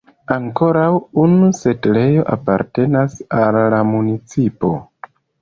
Ankoraŭ unu setlejo apartenas al la municipo.